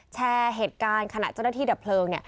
แชร์เหตุการณ์ขณะเจ้าหน้าที่ดับเพลิง